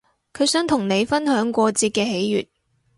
佢想同你分享過節嘅喜悅